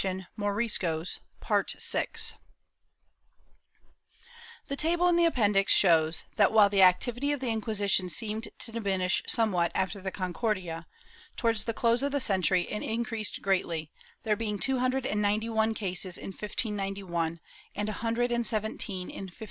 362 MORISCOS [Book Mil The table in the Appendix shows that, while the activity of the Inquisition seemed to diminish somewhat after the Concordia, towards the close of the century it increased greatly, there being two hundred and ninety one cases in 1591 and a hundred and seventeen in 1592.